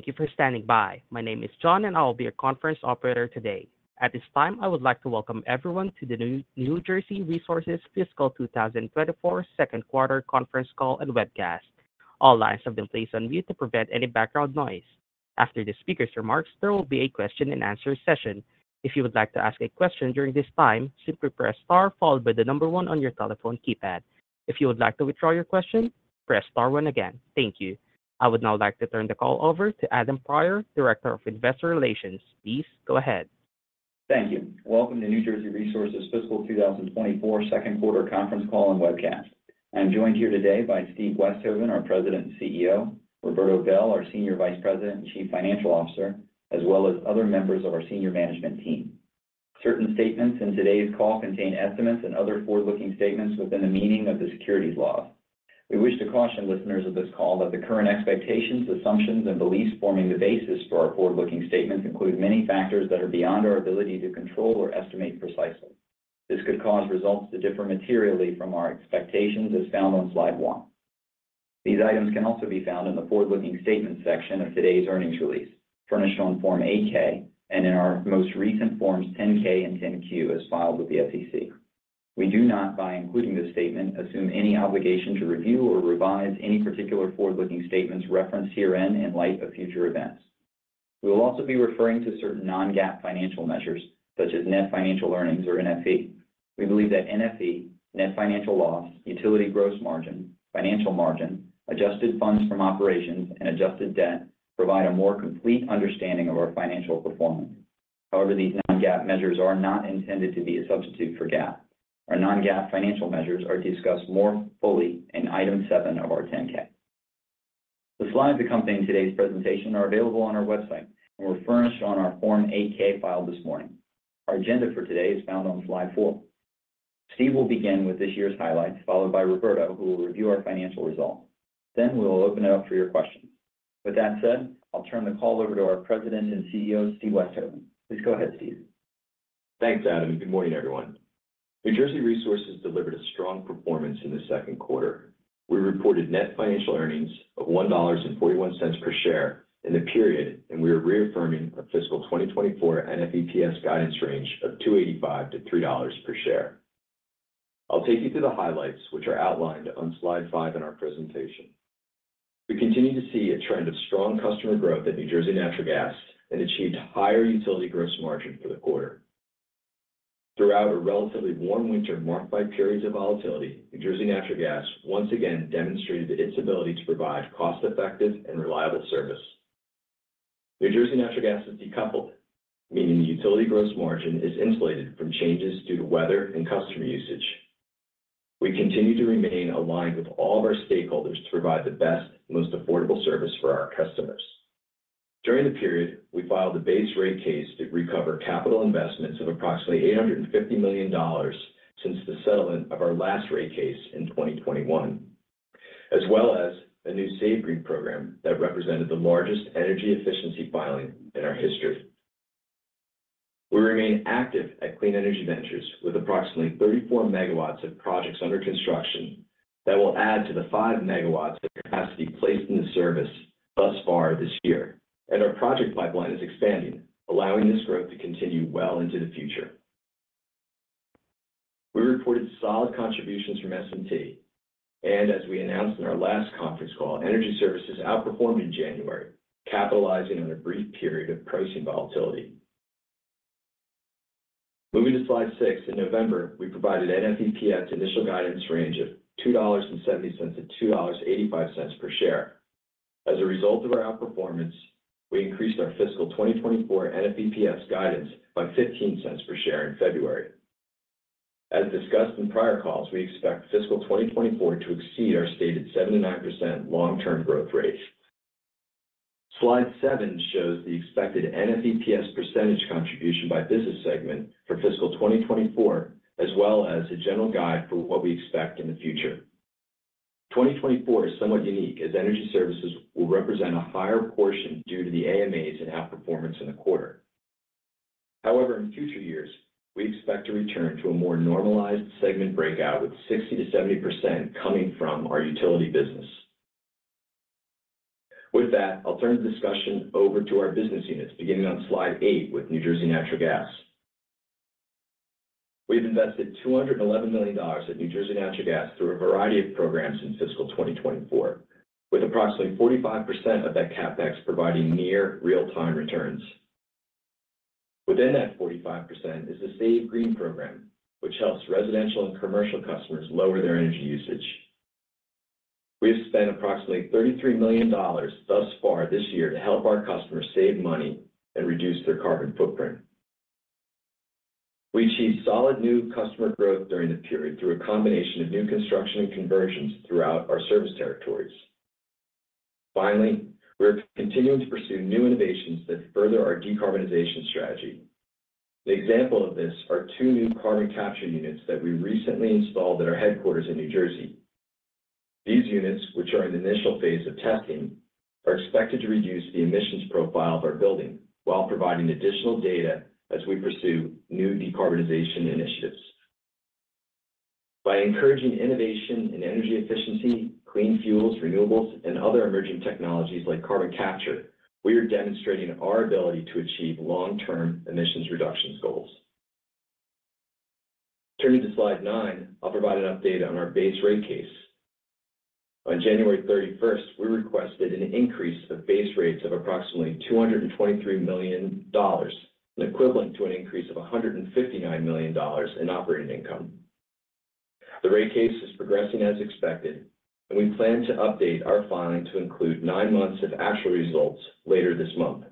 Thank you for standing by. My name is John, and I will be your conference operator today. At this time, I would like to welcome everyone to the New Jersey Resources Fiscal 2024 second quarter conference call and webcast. All lines have been placed on mute to prevent any background noise. After the speaker's remarks, there will be a question and answer session. If you would like to ask a question during this time, simply press Star followed by the number 1 on your telephone keypad. If you would like to withdraw your question, press Star 1 again. Thank you. I would now like to turn the call over to Adam Prior, Director of Investor Relations. Please go ahead. Thank you. Welcome to New Jersey Resources Fiscal 2024 second quarter conference call and webcast. I'm joined here today by Steve Westhoven, our President and CEO, Roberto Bel, our Senior Vice President and Chief Financial Officer, as well as other members of our senior management team. Certain statements in today's call contain estimates and other forward-looking statements within the meaning of the securities laws. We wish to caution listeners of this call that the current expectations, assumptions, and beliefs forming the basis for our forward-looking statements include many factors that are beyond our ability to control or estimate precisely. This could cause results to differ materially from our expectations, as found on slide one. These items can also be found in the forward-looking statement section of today's earnings release, furnished on Form 8-K, and in our most recent forms 10-K and 10-Q, as filed with the SEC. We do not, by including this statement, assume any obligation to review or revise any particular forward-looking statements referenced herein in light of future events. We will also be referring to certain non-GAAP financial measures, such as net financial earnings or NFE. We believe that NFE, net financial loss, utility gross margin, financial margin, adjusted funds from operations, and adjusted debt provide a more complete understanding of our financial performance. However, these non-GAAP measures are not intended to be a substitute for GAAP. Our non-GAAP financial measures are discussed more fully in Item 7 of our 10-K. The slides that accompany today's presentation are available on our website and were furnished on our Form 8-K filed this morning. Our agenda for today is found on slide 4. Steve will begin with this year's highlights, followed by Roberto, who will review our financial results. Then we will open it up for your questions. With that said, I'll turn the call over to our President and CEO, Steve Westhoven. Please go ahead, Steve. Thanks, Adam, and good morning, everyone. New Jersey Resources delivered a strong performance in the second quarter. We reported net financial earnings of $1.41 per share in the period, and we are reaffirming a fiscal 2024 NFEPS guidance range of $2.85-$3 per share. I'll take you through the highlights, which are outlined on slide 5 in our presentation. We continue to see a trend of strong customer growth at New Jersey Natural Gas and achieved higher utility gross margin for the quarter. Throughout a relatively warm winter, marked by periods of volatility, New Jersey Natural Gas once again demonstrated its ability to provide cost-effective and reliable service. New Jersey Natural Gas is decoupled, meaning the utility gross margin is insulated from changes due to weather and customer usage. We continue to remain aligned with all of our stakeholders to provide the best, most affordable service for our customers. During the period, we filed a base rate case to recover capital investments of approximately $850 million since the settlement of our last rate case in 2021, as well as a new SAVEGREEN program that represented the largest energy efficiency filing in our history. We remain active at Clean Energy Ventures with approximately 34 MW of projects under construction that will add to the 5 MW of capacity placed in service thus far this year, and our project pipeline is expanding, allowing this growth to continue well into the future. We reported solid contributions from S&T, and as we announced in our last conference call, Energy Services outperformed in January, capitalizing on a brief period of pricing volatility. Moving to slide 6, in November, we provided NFEPS initial guidance range of $2.70-$2.85 per share. As a result of our outperformance, we increased our fiscal 2024 NFEPS guidance by $0.15 per share in February. As discussed in prior calls, we expect fiscal 2024 to exceed our stated 79% long-term growth rate. Slide 7 shows the expected NFEPS percentage contribution by business segment for fiscal 2024, as well as a general guide for what we expect in the future. 2024 is somewhat unique, as energy services will represent a higher portion due to the AMAs and outperformance in the quarter. However, in future years, we expect to return to a more normalized segment breakout, with 60%-70% coming from our utility business. With that, I'll turn the discussion over to our business units, beginning on slide 8 with New Jersey Natural Gas. We've invested $211 million at New Jersey Natural Gas through a variety of programs in fiscal 2024, with approximately 45% of that CapEx providing near real-time returns. Within that 45% is the SAVEGREEN program, which helps residential and commercial customers lower their energy usage. We have spent approximately $33 million thus far this year to help our customers save money and reduce their carbon footprint. We achieved solid new customer growth during the period through a combination of new construction and conversions throughout our service territories. Finally, we are continuing to pursue new innovations that further our decarbonization strategy. The example of this are 2 new carbon capture units that we recently installed at our headquarters in New Jersey. These units, which are in the initial phase of testing, are expected to reduce the emissions profile of our building while providing additional data as we pursue new decarbonization initiatives. By encouraging innovation and energy efficiency, clean fuels, renewables, and other emerging technologies like carbon capture, we are demonstrating our ability to achieve long-term emissions reductions goals. Turning to slide nine, I'll provide an update on our base rate case. On January 31st, we requested an increase of base rates of approximately $223 million, equivalent to an increase of $159 million in operating income. The rate case is progressing as expected, and we plan to update our filing to include nine months of actual results later this month.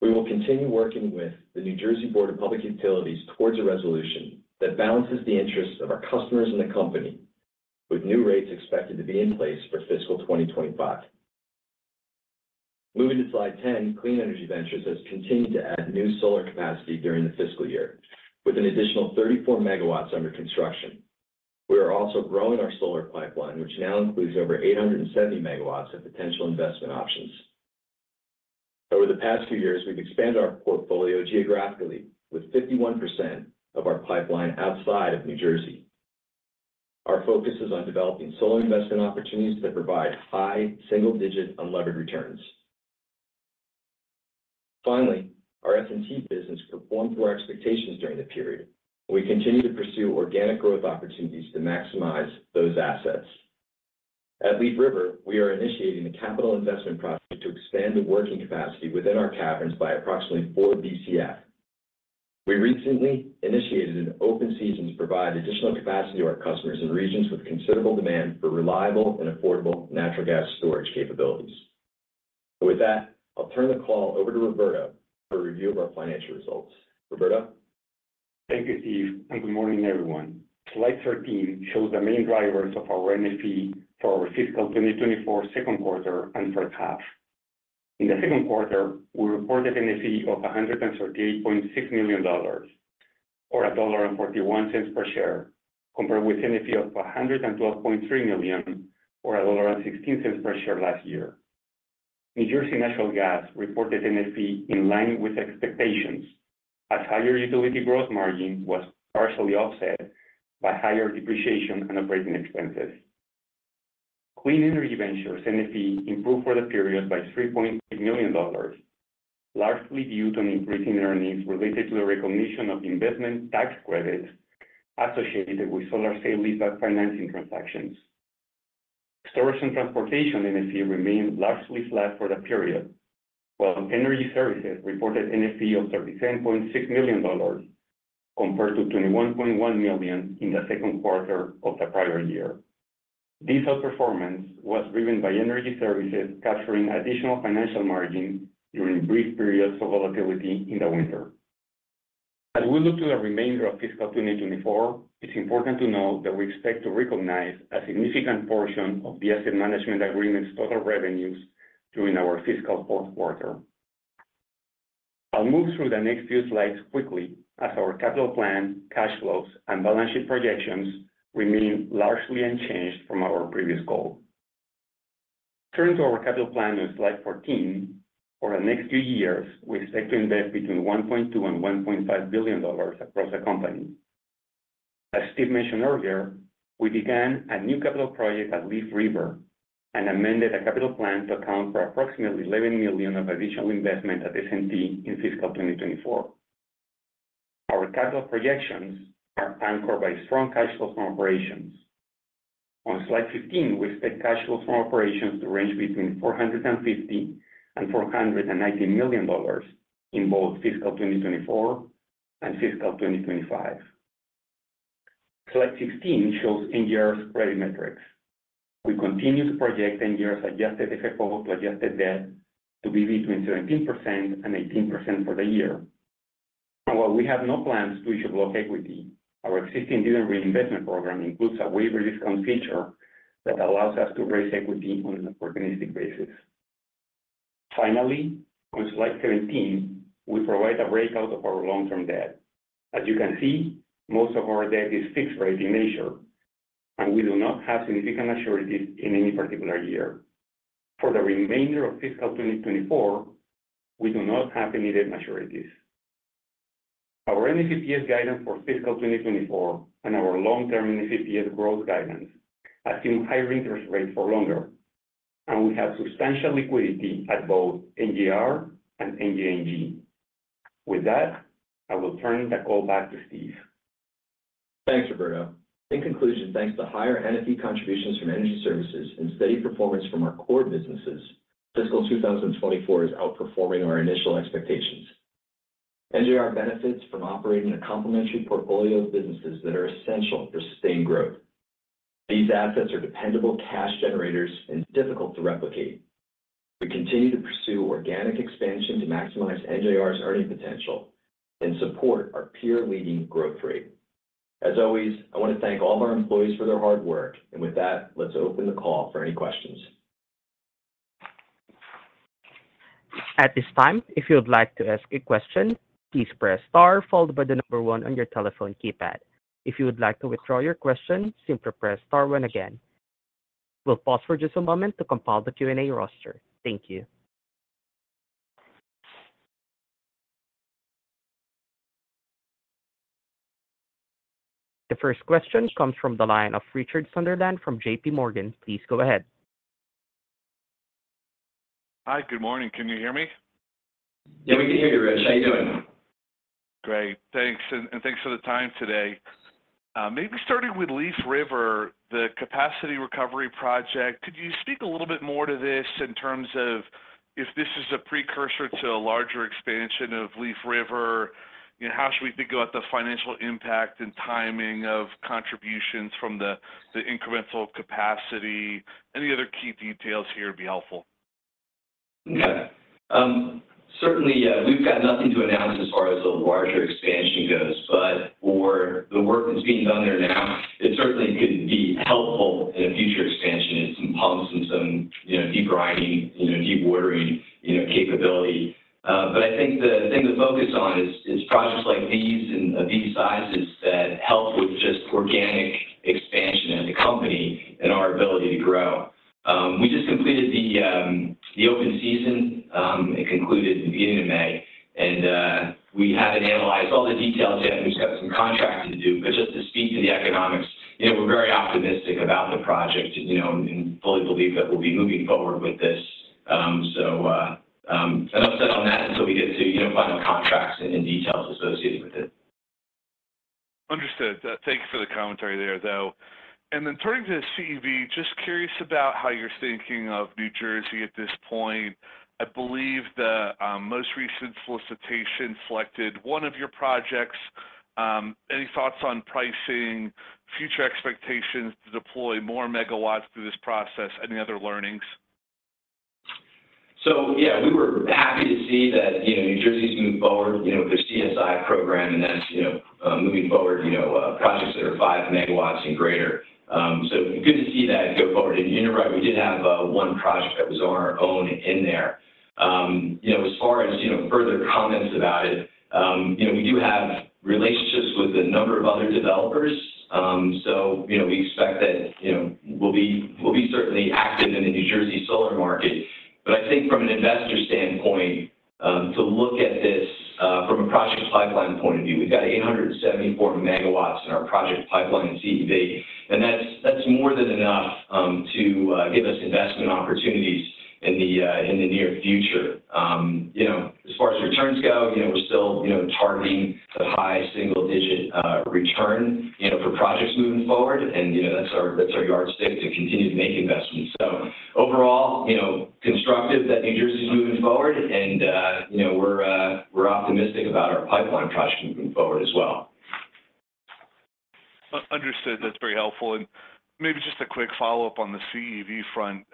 We will continue working with the New Jersey Board of Public Utilities towards a resolution that balances the interests of our customers and the company, with new rates expected to be in place for fiscal 2025. Moving to slide 10, Clean Energy Ventures has continued to add new solar capacity during the fiscal year, with an additional 34 megawatts under construction. We are also growing our solar pipeline, which now includes over 870 megawatts of potential investment options. Over the past few years, we've expanded our portfolio geographically, with 51% of our pipeline outside of New Jersey. Our focus is on developing solar investment opportunities that provide high, single-digit unlevered returns. Finally, our S&T business performed to our expectations during the period. We continue to pursue organic growth opportunities to maximize those assets. At Leaf River, we are initiating a capital investment project to expand the working capacity within our caverns by approximately 4 Bcf. We recently initiated an open season to provide additional capacity to our customers in regions with considerable demand for reliable and affordable natural gas storage capabilities. With that, I'll turn the call over to Roberto for a review of our financial results. Roberto? Thank you, Steve, and good morning, everyone. Slide 13 shows the main drivers of our NFE for our fiscal 2024 second quarter and first half. In the second quarter, we reported NFE of $138.6 million, or $1.41 per share, compared with NFE of $112.3 million, or $1.16 per share last year. New Jersey Natural Gas reported NFE in line with expectations, as higher utility gross margin was partially offset by higher depreciation and operating expenses. Clean Energy Ventures NFE improved for the period by $3.8 million, largely due to increasing earnings related to the recognition of investment tax credits associated with solar sale-leaseback financing transactions. Storage and Transportation NFE remained largely flat for the period, while Energy Services reported NFE of $37.6 million, compared to $21.1 million in the second quarter of the prior year. This outperformance was driven by Energy Services capturing additional financial margin during brief periods of volatility in the winter. As we look to the remainder of fiscal 2024, it's important to note that we expect to recognize a significant portion of the asset management agreement's total revenues during our fiscal fourth quarter. I'll move through the next few slides quickly, as our capital plan, cash flows, and balance sheet projections remain largely unchanged from our previous goal. Turning to our capital plan on slide 14, for the next few years, we expect to invest between $1.2 billion and $1.5 billion across the company. As Steve mentioned earlier, we began a new capital project at Leaf River and amended a capital plan to account for approximately $11 million of additional investment at S&T in fiscal 2024. Our capital projections are anchored by strong cash flows from operations. On slide 15, we expect cash flows from operations to range between $450 million-$490 million in both fiscal 2024 and fiscal 2025. Slide 16 shows NJR's credit metrics. We continue to project NJR's adjusted FFO to adjusted debt to be between 17%-18% for the year. And while we have no plans to issue block equity, our existing dividend reinvestment program includes a waiver discount feature that allows us to raise equity on an opportunistic basis. Finally, on slide 17, we provide a breakout of our long-term debt. As you can see, most of our debt is fixed rate in nature, and we do not have significant maturities in any particular year. For the remainder of fiscal 2024, we do not have any debt maturities. Our NFEPS guidance for fiscal 2024 and our long-term NFEPS growth guidance assume higher interest rates for longer, and we have substantial liquidity at both NJR and NJNG. With that, I will turn the call back to Steve. Thanks, Roberto. In conclusion, thanks to higher NFE contributions from Energy Services and steady performance from our core businesses, fiscal 2024 is outperforming our initial expectations. NJR benefits from operating a complementary portfolio of businesses that are essential for sustained growth. These assets are dependable cash generators and difficult to replicate. We continue to pursue organic expansion to maximize NJR's earning potential and support our peer-leading growth rate. As always, I want to thank all of our employees for their hard work. With that, let's open the call for any questions. At this time, if you would like to ask a question, please press star followed by the number one on your telephone keypad. If you would like to withdraw your question, simply press star one again. We'll pause for just a moment to compile the Q&A roster. Thank you. The first question comes from the line of Richard Sunderland from JPMorgan. Please go ahead. Hi, good morning. Can you hear me? Yeah, we can hear you, Rich. How you doing? Great, thanks. And thanks for the time today. Maybe starting with Leaf River, the capacity recovery project, could you speak a little bit more to this in terms of if this is a precursor to a larger expansion of Leaf River? You know, how should we think about the financial impact and timing of contributions from the incremental capacity? Any other key details here would be helpful. Okay. Certainly, yeah, we've got nothing to announce as far as the larger expansion goes, but for the work that's being done there now, it certainly could be helpful in a future expansion in some pumps and some, you know, deep drying, you know, dewatering, you know, capability. But I think the thing to focus on is projects like these and of these sizes that help with just organic expansion as a company and our ability to grow. We just completed the open season, it concluded in the beginning of May, and we haven't analyzed all the details yet. We've got some contracting to do. But just to speak to the economics, you know, we're very optimistic about the project and, you know, and fully believe that we'll be moving forward with this. So, an update on that until we get to, you know, final contracts and details associated with it. Understood. Thank you for the commentary there, though. And then turning to CEV, just curious about how you're thinking of New Jersey at this point. I believe the most recent solicitation selected one of your projects. Any thoughts on pricing, future expectations to deploy more megawatts through this process? Any other learnings? So yeah, we were happy to see that, you know, New Jersey's moved forward, you know, with their CSI program, and that's, you know, moving forward, you know, projects that are 5 megawatts and greater. So good to see that go forward. And you're right, we did have one project that was on our own in there. You know, as far as, you know, further comments about it, you know, we do have relationships with a number of other developers. So you know, we expect that, you know, we'll be, we'll be certainly active in the New Jersey solar market. But I think from an investor standpoint, to look at this from a project pipeline point of view, we've got 874 megawatts in our project pipeline in CEV, and that's, that's more than enough to give us investment opportunities in the in the near future. You know, as far as returns go, you know, we're still you know, targeting the high single digit return you know, for projects moving forward. And, you know, that's our, that's our yardstick to continue to make investments. So overall, you know, constructive that New Jersey is moving forward and you know, we're we're optimistic about our pipeline projects moving forward as well. Understood. That's very helpful. And maybe just a quick follow-up on the CEV front.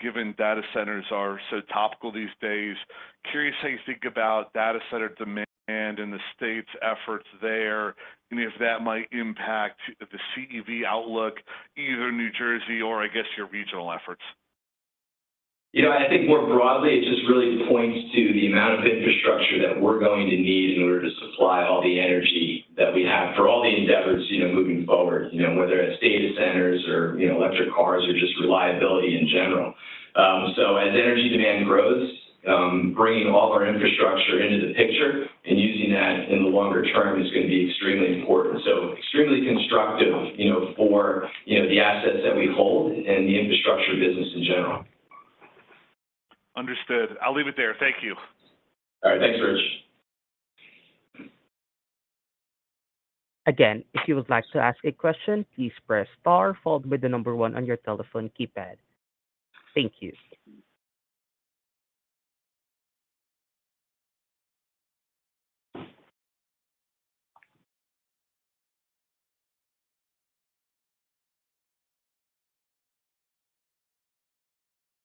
Given data centers are so topical these days, curious how you think about data center demand and the state's efforts there, and if that might impact the CEV outlook, either New Jersey or I guess, your regional efforts? You know, I think more broadly, it just really points to the amount of infrastructure that we're going to need in order to supply all the energy that we have for all the endeavors, you know, moving forward. You know, whether it's data centers or, you know, electric cars or just reliability in general. So as energy demand grows, bringing all of our infrastructure into the picture and using that in the longer term is gonna be extremely important. So extremely constructive, you know, for, you know, the assets that we hold and the infrastructure business in general. Understood. I'll leave it there. Thank you. All right. Thanks, Rich. Again, if you would like to ask a question, please press Star, followed by the number One on your telephone keypad. Thank you.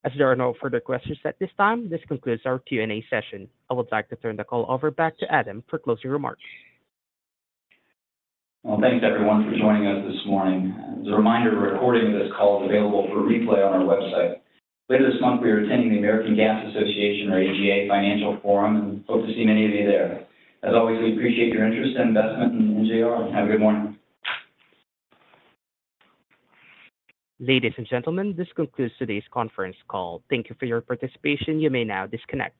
As there are no further questions at this time, this concludes our Q&A session. I would like to turn the call over back to Adam for closing remarks. Well, thanks, everyone, for joining us this morning. As a reminder, a recording of this call is available for replay on our website. Later this month, we are attending the American Gas Association, or AGA Financial Forum, and hope to see many of you there. As always, we appreciate your interest and investment in NJR. Have a good morning. Ladies and gentlemen, this concludes today's conference call. Thank you for your participation. You may now disconnect.